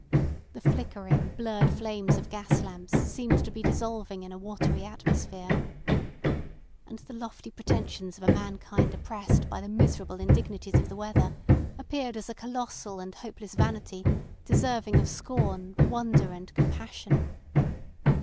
The flickering, blurred flames of gas lamps seemed to be dissolving in a watery atmosphere. And the lofty pretensions of a mankind oppressed by the miserable indignities of the weather appeared as a colossal and hopeless vanity deserving of scorn, wonder, and compassion.